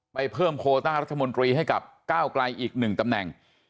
เพิ่มโคต้ารัฐมนตรีให้กับก้าวไกลอีกหนึ่งตำแหน่ง